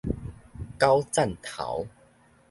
校欑頭